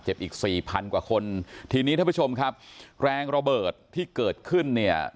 อีกสี่พันกว่าคนทีนี้ท่านผู้ชมครับแรงระเบิดที่เกิดขึ้นเนี่ย